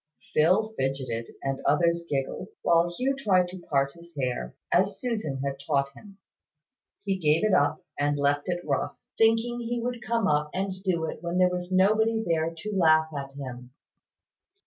Phil fidgeted, and others giggled, while Hugh tried to part his hair, as Susan had taught him. He gave it up, and left it rough, thinking he would come up and do it when there was nobody there to laugh at him.